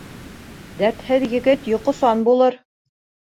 Дәртһеҙ егет йоҡосан булыр.